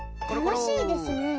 たのしいですね。